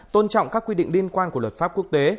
tôn trọng các quy định liên quan của luật pháp quốc tế